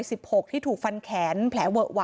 เหตุการณ์เกิดขึ้นแถวคลองแปดลำลูกกา